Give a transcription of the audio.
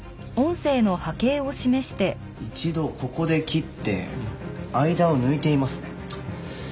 一度ここで切って間を抜いていますね。